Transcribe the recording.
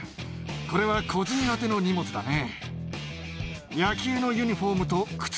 これは個人宛ての荷物だね。